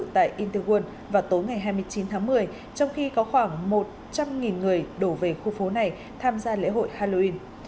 tại inter won vào tối ngày hai mươi chín tháng một mươi trong khi có khoảng một trăm linh người đổ về khu phố này tham gia lễ hội halloween